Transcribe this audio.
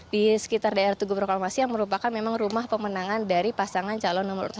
di sekitar daerah tugu proklamasi yang merupakan memang rumah pemenangan dari pasangan calon nomor satu